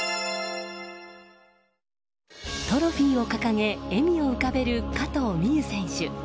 トロフィーを掲げ笑みを浮かべる加藤未唯選手。